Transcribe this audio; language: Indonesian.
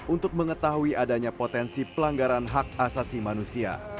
untuk mengetahui adanya potensi pelanggaran hak asasi manusia